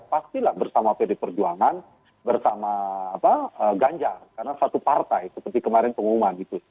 pastilah bersama pd perjuangan bersama ganjar karena satu partai seperti kemarin pengumuman itu